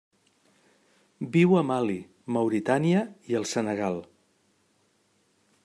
Viu a Mali, Mauritània i el Senegal.